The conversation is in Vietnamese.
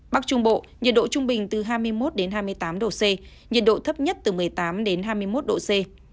bắc trung bộ nhiệt độ trung bình từ hai mươi một đến hai mươi tám độ c nhiệt độ thấp nhất từ một mươi tám hai mươi một độ c